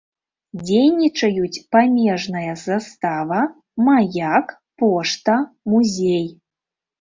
Дзейнічаюць памежная застава, маяк, пошта, музей.